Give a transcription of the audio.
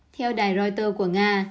theo đài reuters của nga